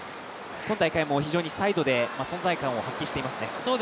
今大会もサイドで存在感を発揮していますね。